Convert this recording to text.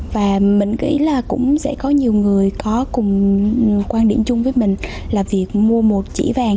và mình nghĩ là cũng sẽ có nhiều người có cùng quan điểm chung với mình là việc mua một chỉ vàng